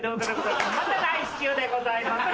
また来週でございます。